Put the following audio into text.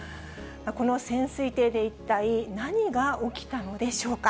この潜水艇で一体、何が起きたのでしょうか。